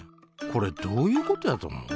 これどういうことやと思う？